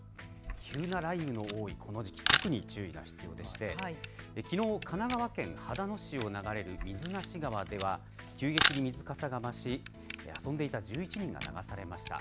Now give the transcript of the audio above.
急な雷雨の多いこの時期特に注意が必要でしてきのう神奈川県秦野市を流れる水無川では急激に水かさが増し遊んでいた１１人が流されました。